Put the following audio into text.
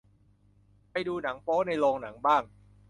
ไปดูหนังโป๊ในโรงหนังบ้าง